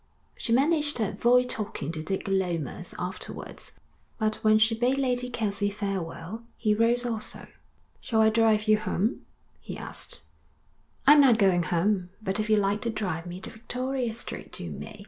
She managed to avoid talking to Dick Lomas afterwards, but when she bade Lady Kelsey farewell, he rose also. 'Shall I drive you home?' he asked. 'I'm not going home, but if you like to drive me to Victoria Street, you may.